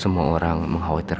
semua orang mengkhawatirkan bapak